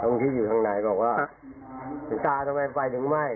ลองคิดอยู่ข้างในบอกว่าฮะตาทำไมไฟเรียงไม่